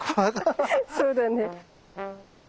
そうだね。